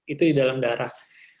itu di dalam darah